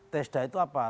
tesda itu apa